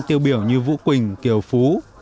tiêu biểu như vũ quỳnh kiều phú